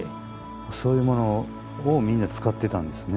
そういうものをみんな使ってたんですね。